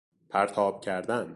پرتاب کردن